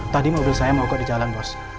tadi mobil saya mau kok di jalan bos